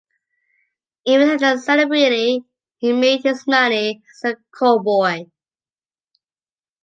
Even as a celebrity he made his money as a Callboy.